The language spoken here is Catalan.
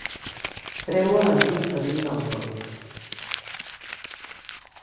Creua l'antic camí d'Alcoi.